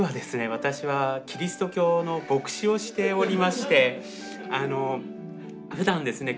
私はキリスト教の牧師をしておりましてふだんですね